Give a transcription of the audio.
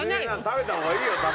食べた方がいいよ卵。